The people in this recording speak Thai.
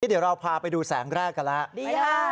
เดี๋ยวเราพาไปดูแสงแรกกันแล้วดีค่ะ